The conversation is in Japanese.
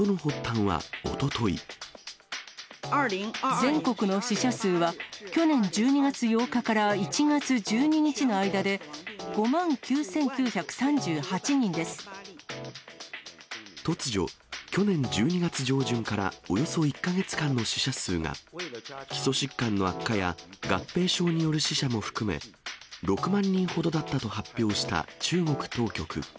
全国の死者数は、去年１２月８日から１月１２日の間で、突如、去年１２月上旬からおよそ１か月間の死者数が、基礎疾患の悪化や、合併症による死者も含め、６万人ほどだったと発表した中国当局。